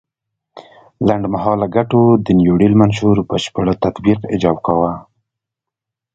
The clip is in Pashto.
لنډ مهاله ګټو د نیوډیل منشور بشپړ تطبیق ایجاب کاوه.